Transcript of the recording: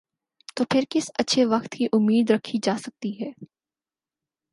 ، تو پھر کس اچھے وقت کی امید رکھی جا سکتی ہے ۔